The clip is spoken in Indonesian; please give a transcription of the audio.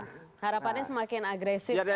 harapannya semakin agresif kan